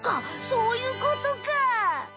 そういうことか。